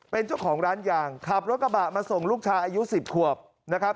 เป็นเจ้าของร้านยางขับรถกระบะมาส่งลูกชายอายุ๑๐ขวบนะครับ